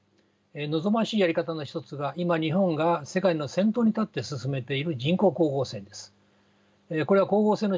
望ましいやり方の一つが今日本が世界の先頭に立って進めている人工光合成です。